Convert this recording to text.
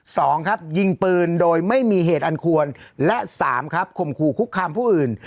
สองครับยิงปืนโดยไม่มีเหตุอันควรและสามครับข่มขู่คุกคามผู้อื่น